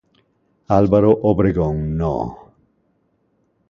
Álvaro Obregón No.